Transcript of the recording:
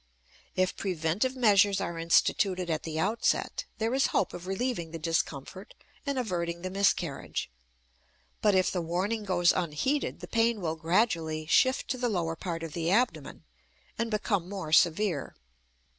If preventive measures are instituted at the outset, there is hope of relieving the discomfort and averting the miscarriage; but if the warning goes unheeded, the pain will gradually shift to the lower part of the abdomen and become more severe.